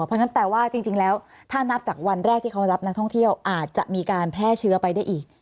เพราะฉะนั้นแปลว่าจริงแล้วถ้านับจากวันแรกที่เขารับนักท่องเที่ยวอาจจะมีการแพร่เชื้อไปได้อีก